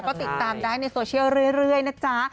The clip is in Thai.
ก็ติดตามได้ในโซเชียลเรื่อยนะจ๊ะ